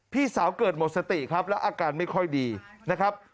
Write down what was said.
พี่สาวเกิดหมดสติครับแล้วอาการไม่ค่อยดีนะครับ